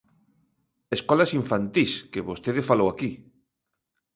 Escolas infantís, que vostede falou aquí.